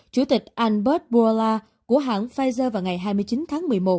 chủ tịch albert bola của hãng pfizer vào ngày hai mươi chín tháng một mươi một